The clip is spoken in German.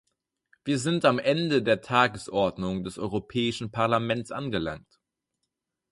Wir sind am Ende der Tagesordnung des Europäischen Parlaments angelangt.